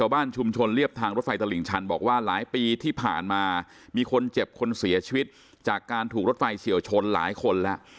บอกว่าหลายปีที่ผ่านมามีคนเจ็บคนเสียชีวิตจากการถูกรถไฟเฉียวชนหลายคนแล้ว